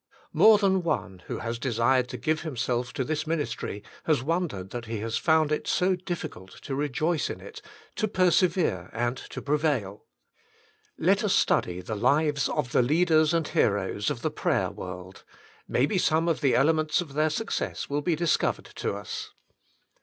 More than one, who has desired to give himself to this ministry, has won dered that he has found it so difficult to rejoice in it, to persevere, and to prevail. Let us study the lives of the leaders and heroes of the prayer world; maybe some of the elements of their suc cess will be discovered to us.